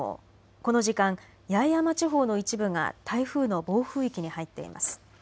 この時間、八重山地方の一部が台風の暴風域に入っています。